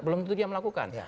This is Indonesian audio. belum tentu dia melakukan